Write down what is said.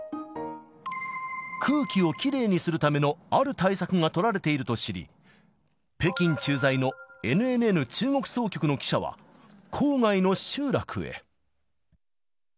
空気をきれいにするためのある対策が取られていると知り、北京駐在のＮＮＮ中国総局の記者は、郊外の集落へ。